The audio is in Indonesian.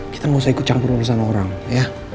kita gak usah ikut campur urusan orang ya